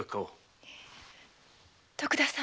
徳田様。